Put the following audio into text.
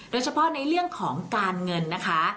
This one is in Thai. โดยเฉพาะในเรื่องของการเงินนะคะ